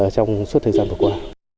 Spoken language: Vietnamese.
trong suốt thời gian vừa qua